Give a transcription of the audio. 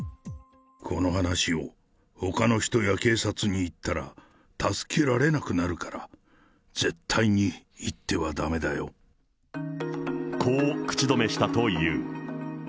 この話をほかの人や警察に言ったら、助けられなくなるから、こう口止めしたという。